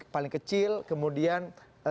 paling kecil kemudian